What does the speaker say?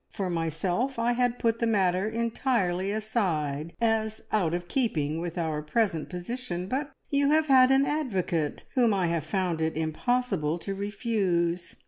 For myself, I had put the matter entirely aside, as out of keeping with our present position, but you have had an advocate whom I have found it impossible to refuse.